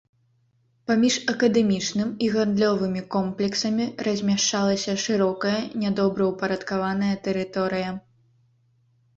Паміж акадэмічным і гандлёвымі комплексамі размяшчалася шырокая нядобраўпарадкаваная тэрыторыя.